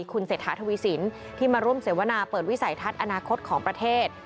คุณเศรษฐาทวีสินที่มาร่วมเสวนาเปิดวิสัยทัศน์อนาคตของประเทศ